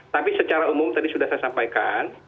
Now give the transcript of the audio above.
tapi secara umum tadi sudah saya sampaikan